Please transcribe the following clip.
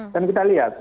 dan kita lihat